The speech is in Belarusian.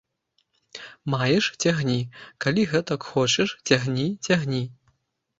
Маеш, цягні, калі гэтак хочаш, цягні, цягні.